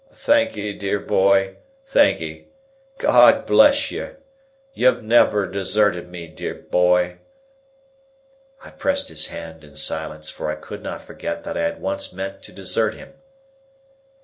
"Thank'ee dear boy, thank'ee. God bless you! You've never deserted me, dear boy." I pressed his hand in silence, for I could not forget that I had once meant to desert him.